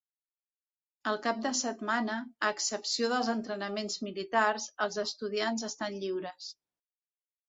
El cap de setmana, a excepció dels entrenaments militars, els estudiants estan lliures.